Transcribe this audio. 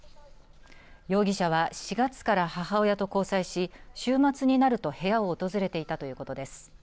容疑者は４月から母親と交際し週末になると部屋を訪れていたということです。